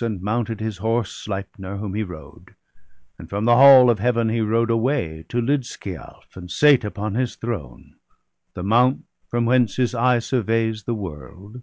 And mounted his horse Sleipner, whom he rode; And from the hall of Heaven he rode away To Lidskialf, and sate upon his throne, The mount, from whence his eye surveys the world.